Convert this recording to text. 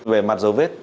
về mặt dấu vết